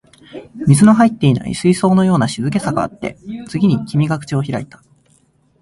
水の入っていない水槽のような静けさがあって、次に君が口を開いた